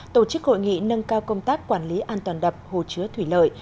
tổ chức hội nghị nâng cao công tác quản lý an toàn đập hồ chứa thủy lợi